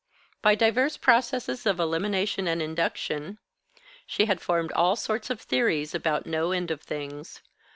By divers processes of elimination and induction, she had formed all sorts of theories about no end of things.